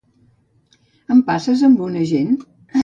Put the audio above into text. Em passes amb un agent?